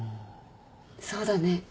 そうだね。